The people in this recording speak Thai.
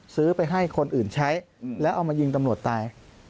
ซื้อไปให้คนอื่นใช้แล้วเอามายิงตำรวจตาย